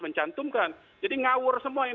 mencantumkan jadi ngawur semua yang